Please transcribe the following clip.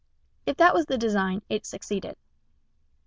If that was the design, it succeeded.